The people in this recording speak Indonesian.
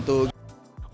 untuk membuka usaha laundry